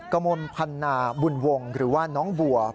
กมมพันธุ์บุญวงหรือว่าน้องบัว